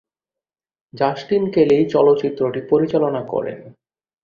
Justin Kelly এই চলচ্চিত্রটি পরিচালনা করেন।